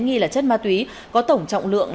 nghi là chất ma túy có tổng trọng lượng